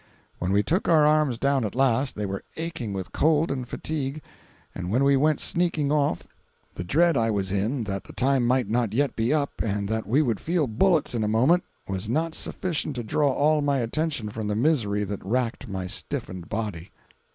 When we took our arms down at last, they were aching with cold and fatigue, and when we went sneaking off, the dread I was in that the time might not yet be up and that we would feel bullets in a moment, was not sufficient to draw all my attention from the misery that racked my stiffened body.